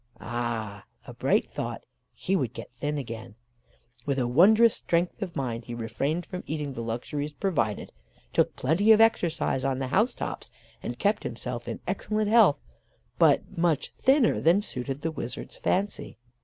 Ah! a bright thought, he would get thin again. With a wondrous strength of mind he refrained from eating the luxuries provided, took plenty of exercise on the house tops, and kept himself in excellent health, but much thinner than suited the wizard's fancy.